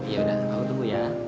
yaudah aku tunggu ya